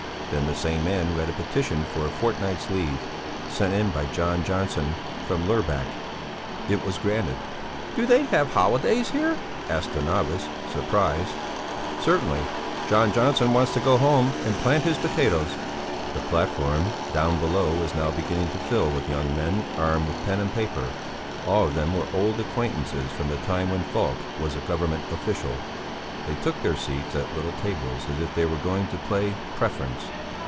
Then the same man read a petition for a fortnight's leave, sent in by Jon Jonson from Lerbak. It was granted. "Do they have holidays here?" asked the novice, surprised. "Certainly, Jon Jonson wants to go home and plant his potatoes." The platform down below was now beginning to fill with young men armed with pen and paper. All of them were old acquaintances from the time when Falk was a Government official. They took their seats at little tables as if they were going to play "Preference."